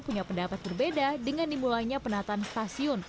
punya pendapat berbeda dengan dimulainya penataan stasiun